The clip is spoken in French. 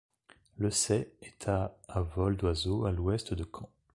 Lessay est à à vol d'oiseau à l'ouest de Caen.